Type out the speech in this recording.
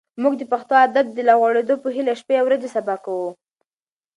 موږ د پښتو ادب د لا غوړېدو په هیله شپې او ورځې سبا کوو.